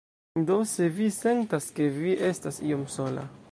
Do se vi sentas, ke vi estas iom sola